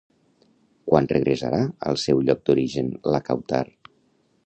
Quan regressarà al seu lloc d'origen la Kautar?